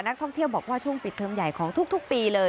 ท่องเที่ยวบอกว่าช่วงปิดเทอมใหญ่ของทุกปีเลย